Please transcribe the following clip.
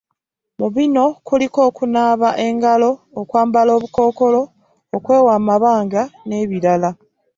Mu bino kuliko; okunaaba engalo, okwambala obukookolo, okwewa amabanga n'ebirala